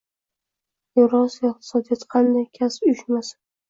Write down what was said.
Evrosiyo iqtisodiyot qandaj kasaba uyushmasi?